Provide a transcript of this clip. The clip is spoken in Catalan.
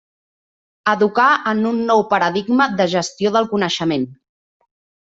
Educar en un nou paradigma de gestió del coneixement.